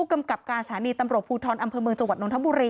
พวกกำกับการสถานีตำรกภูทรอัมเภอมืองจังหวัดน